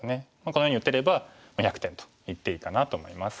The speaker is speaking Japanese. このように打てれば１００点といっていいかなと思います。